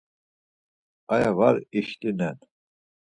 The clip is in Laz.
Aya var işlinen.